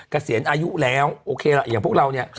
เกษียณอายุแล้วโอเคล่ะอย่างพวกเราเนี่ย